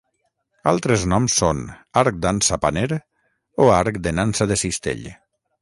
Altres noms són arc d'ansa-paner o arc de nansa de cistell.